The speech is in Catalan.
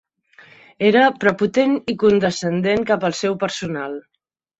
Era prepotent i condescendent cap al seu personal.